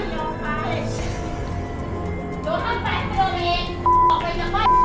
อย่าเอามันเดินเข้ามา